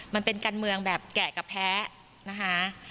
มันเป็นการเมืองแบบแกะกับแพ้นะคะ